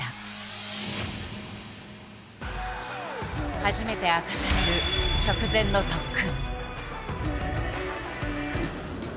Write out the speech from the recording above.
初めて明かされる直前の特訓。